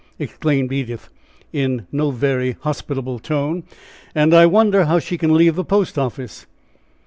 exclaimed Edith, in no very hospitable tone "and I wonder how she can leave the post office."